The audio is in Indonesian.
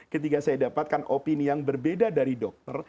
ketika saya dapatkan opini yang berbeda dari dokter